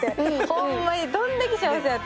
ホンマにどんだけ幸せやって。